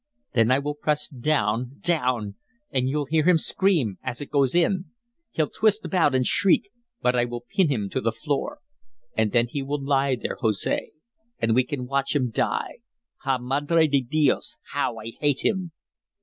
Then I will press down down! And you'll hear him scream as it goes in; he'll twist about and shriek, but I will pin him to the floor. And then he will lie there, Jose, and we can watch him die. Ha, Madre di dios, how I hate him!"